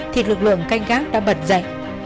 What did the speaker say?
thì lực lượng canh gác đã bật dậy